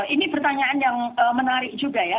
ini pertanyaan yang menarik juga ya